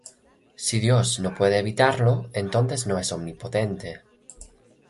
Si Dios no puede evitarlo, entonces no es omnipotente.